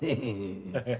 ハハハッ。